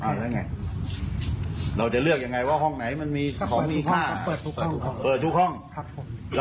อ้างล่างไม่ดูหรอ